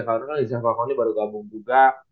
karena kan lijang kokonya baru gabung juga